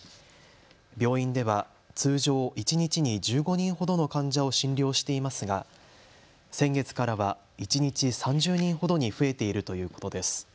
病院では通常一日に１５人ほどの患者を診療していますが先月からは一日３０人ほどに増えているということです。